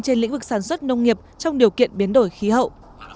trên lĩnh vực sản xuất nông nghiệp trong điều kiện biến đổi khí hậu